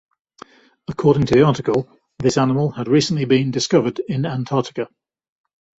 According to the article, this animal had recently been discovered in Antarctica.